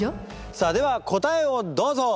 さあでは答えをどうぞ！